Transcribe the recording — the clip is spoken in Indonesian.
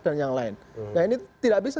dan yang lain nah ini tidak bisa